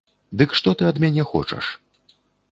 Дык што ты ад мяне хочаш?